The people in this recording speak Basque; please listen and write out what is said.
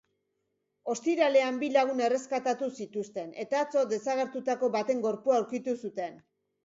Ostiralean bi lagun erreskatatu zituzten eta atzo desagertuetako baten gorpua aurkitu zuten.